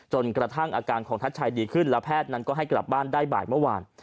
จนกระทั่งอาการของทัชชัยดีขึ้นแล้วแพทย์นั้นก็ให้กลับบ้านได้บ่ายเมื่อวาน